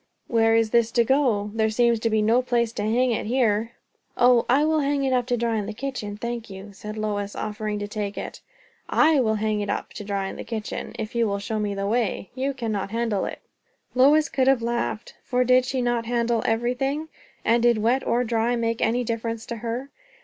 "Where is this to go? there seems to be no place to hang it here." "O, I will hang it up to dry in the kitchen, thank you," said Lois, offering to take it. "I will hang it up to dry in the kitchen, if you will show me the way. You cannot handle it." Lois could have laughed, for did she not handle everything? and did wet or dry make any difference to her?